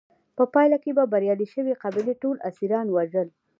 په پایله کې به بریالۍ شوې قبیلې ټول اسیران وژل.